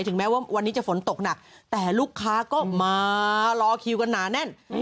แม้ว่าวันนี้จะฝนตกหนักแต่ลูกค้าก็มารอคิวกันหนาแน่น